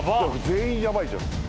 全員ヤバいじゃん。